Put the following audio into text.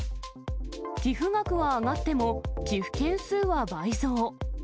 寄付額は上がっても寄付件数は倍増。